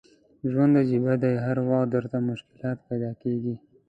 ژوند عجیب دی هر وخت درته مشکلات پیدا کېږي.